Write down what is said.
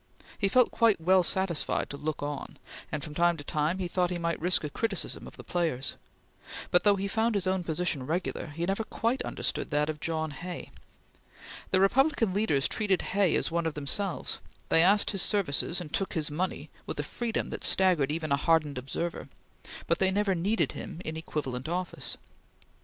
He felt quite well satisfied to look on, and from time to time he thought he might risk a criticism of the players; but though he found his own position regular, he never quite understood that of John Hay. The Republican leaders treated Hay as one of themselves; they asked his services and took his money with a freedom that staggered even a hardened observer; but they never needed him in equivalent office.